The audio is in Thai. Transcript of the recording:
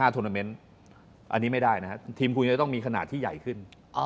อันนี้ไม่ได้นะครับทีมคุณจะต้องมีขนาดที่ใหญ่ขึ้น